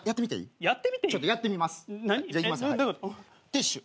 ティッシュ。